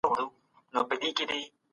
هغه دوستان چي په قدرت کي وي مخلص نه دي.